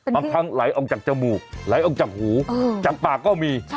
บางครั้งไหลออกจากจมูกไหลออกจากหูจากปากก็มี